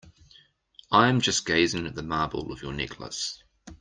I'm just gazing at the marble of your necklace.